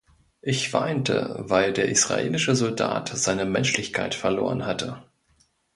Ich weinte, weil der israelische Soldat seine Menschlichkeit verloren hatte.